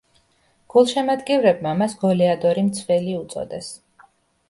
გულშემატკივრებმა მას გოლეადორი მცველი უწოდეს.